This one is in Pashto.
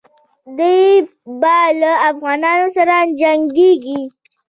دی به له افغانانو سره جنګیږي.